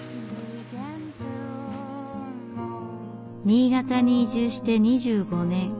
新潟に移住して２５年。